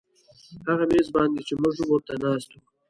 هغه میز باندې چې موږ ورته ناست وو